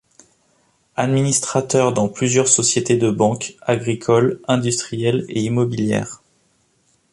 Administrateur dans plusieurs sociétés de banques, agricoles, industrielles et immobilières.